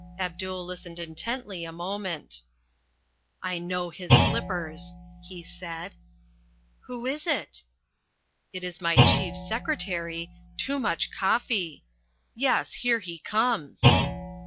Abdul listened intently a moment. "I know his slippers," he said. "Who is it?" "It is my chief secretary, Toomuch Koffi. Yes, here he comes."